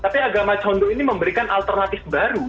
tapi agama condo ini memberikan alternatif baru